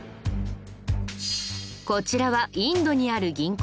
こちらはインドにある銀行。